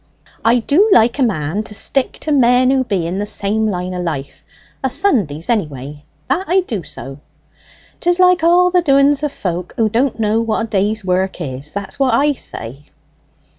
"I do like a man to stick to men who be in the same line o' life o' Sundays, anyway that I do so." "'Tis like all the doings of folk who don't know what a day's work is, that's what I say."